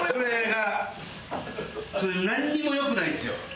それなんにも良くないんですよ。